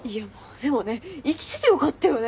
でもね生きててよかったよね。